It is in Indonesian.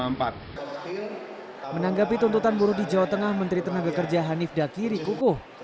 menanggapi tuntutan buruh di jawa tengah menteri tenaga kerja hanif dakiri kukuh